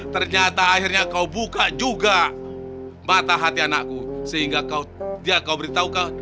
ternyata akhirnya kau buka juga mata hati anakku sehingga kau dia kau beritahu kau